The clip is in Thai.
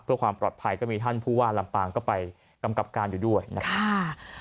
เพื่อความปลอดภัยก็มีท่านผู้ว่าลำปางก็ไปกำกับการอยู่ด้วยนะครับ